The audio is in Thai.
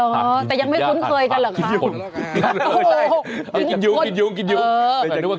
อ๋อเหรอแต่ยังไม่ค้นเคยกันเหรอครับ